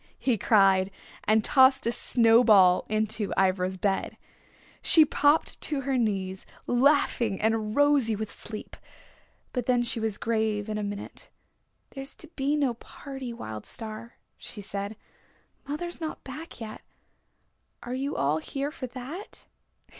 he cried and tossed a snow ball into Ivra's bed. She popped to her knees, laughing and rosy with sleep. But then she was grave in a minute. "There's to be no party, Wild Star," she said. "Mother's not back yet. Are you all here for that?"